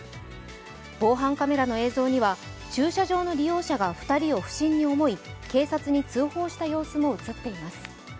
防犯カメラの映像には駐車場の利用者が２人を不審に思い、警察に通報した様子も映っています。